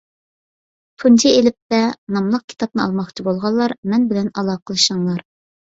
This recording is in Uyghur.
«تۇنجى ئېلىپبە» ناملىق كىتابنى ئالماقچى بولغانلار مەن بىلەن ئالاقىلىشىڭلار.